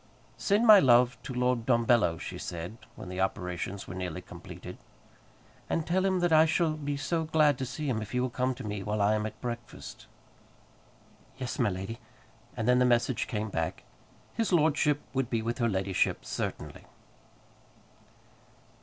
"Send my love to Lord Dumbello," she said, when the operations were nearly completed, "and tell him that I shall be so glad to see him if he will come to me while I am at breakfast." "Yes, my lady." And then the message came back: "His lordship would be with her ladyship certainly."